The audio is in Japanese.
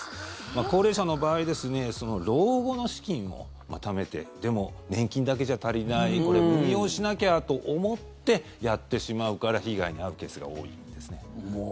高齢者の場合老後の資金をためてでも、年金だけじゃ足りないこれ、運用しなきゃと思ってやってしまうから被害に遭うケースが多いんです。